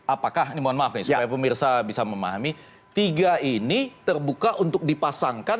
apakah ini mohon maaf nih supaya pemirsa bisa memahami tiga ini terbuka untuk dipasangkan